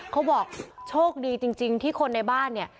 เขาบอกโชคดีจริงที่คนในบ้านเนี่ย